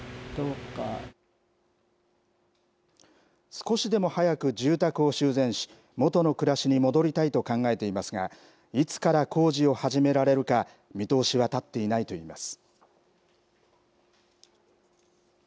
少しでも早く住宅を修繕し、元の暮らしに戻りたいと考えていますが、いつから工事を始められるか、見通しは立っていないといいます。